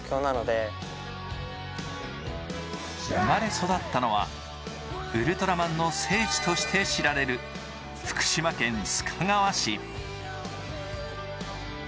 生まれ育ったのはウルトラマンの聖地として知られる福島県須賀川市。